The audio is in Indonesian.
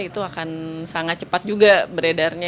itu akan sangat cepat juga beredarnya